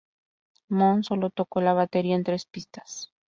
Moon, sólo tocó la batería en tres pistas.